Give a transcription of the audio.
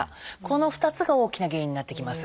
この２つが大きな原因になってきます。